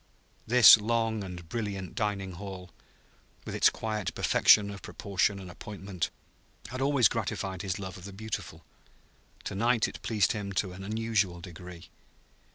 This long and brilliant dining hall, with its quiet perfection of proportion and appointment, had always gratified his love of the beautiful; to night it pleased him to an unusual degree.